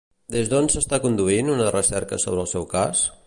Des d'on s'està conduint una recerca sobre el seu cas?